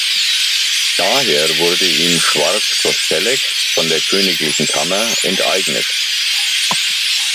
Daher wurde ihm Schwarz-Kostelec von der königlichen Kammer enteignet.